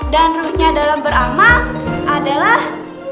dan rujuknya dalam beramal adalah